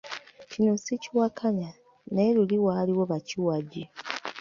Kino sikiwakanya, naye ne luli waaliwo bakiwagi.